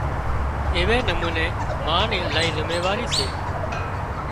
ايوي نموني ما ني الاهي زميواريون سي